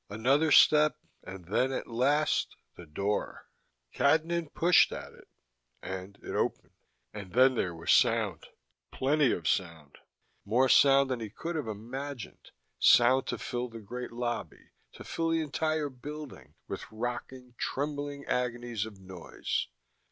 Another step. And then, at last, the door. Cadnan pushed at it, and it opened and then there was sound, plenty of sound, more sound than he could have imagined, sound to fill the great lobby, to fill the entire building with rocking, trembling agonies of noise!